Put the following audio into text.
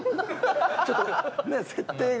ちょっとね設定が。